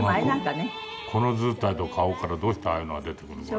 このずうたいと顔からどうしてああいうのが出てくるのかね。